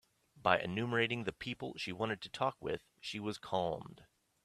By enumerating the people she wanted to talk with, she was calmed.